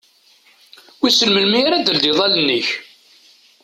Wissen melmi ara d-teldiḍ allen-ik?